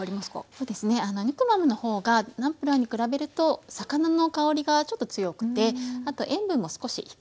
そうですねヌクマムの方がナムプラーに比べると魚の香りがちょっと強くてあと塩分も少し控えめですね。